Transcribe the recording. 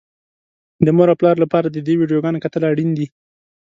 د مور او پلار لپاره د دې ويډيوګانو کتل اړين دي.